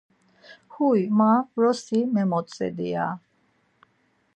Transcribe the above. Huy ma vrosi memotzedi, ya.